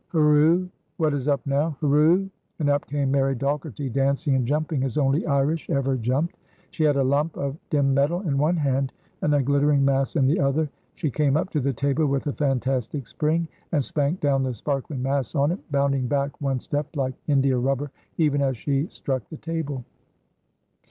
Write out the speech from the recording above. "Hurroo!" "What is up now?" "Hurroo!" And up came Mary McDogherty dancing and jumping as only Irish ever jumped. She had a lump of dim metal in one hand and a glittering mass in the other. She came up to the table with a fantastic spring and spanked down the sparkling mass on it, bounding back one step like india rubber even as she struck the table.